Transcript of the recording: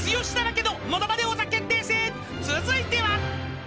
［続いては］